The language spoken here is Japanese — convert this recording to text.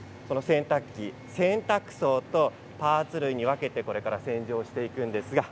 洗濯槽とパーツ類に分けてこれから洗浄していくんです。